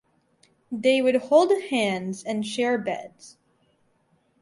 They would hold hands and share beds.